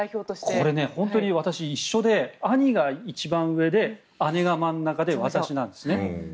これ本当に私、一緒で兄が一番上で姉が真ん中で私なんですね。